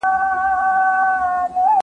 تاسو د آزادۍ په ارزښت باندې ښه پوهیږئ.